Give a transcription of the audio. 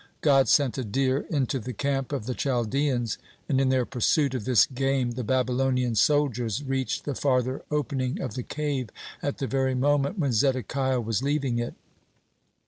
God sent a deer into the camp of the Chaldeans, and in their pursuit of this game, the Babylonian soldiers reached the farther opening of the cave at the very moment when Zedekiah was leaving it.